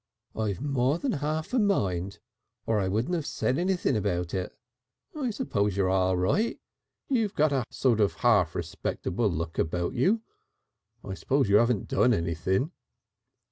"I've more than half a mind. Or I wouldn't have said anything about it. I suppose you're all right. You've got a sort of half respectable look about you. I suppose you 'aven't done anything."